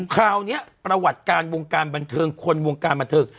คราวนี้ประวัติการวงการบันเทิงคนวงการบันเทิง